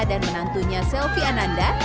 dan menantunya selvi ananda